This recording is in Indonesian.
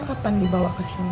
kapan dibawa kesini